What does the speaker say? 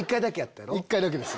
１回だけです。